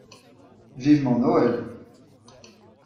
Vivement Noël !